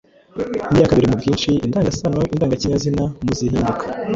niya kabiri mu bwinshi, indangasano indangakinyazina muzihinduka